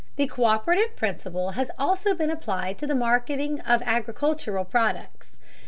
The co÷perative principle has also been applied to the marketing of agricultural products.